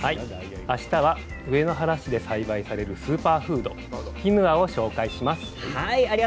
明日は上野原市で栽培されるスーパーフードキヌアをご紹介します。